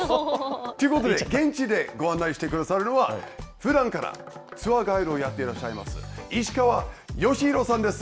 ということで、現地でご案内してくださるのは、ふだんからツアーガイドをやっていらっしゃいます石川善寛さんです。